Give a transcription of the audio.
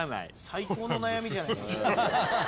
最高の悩みじゃないっすか。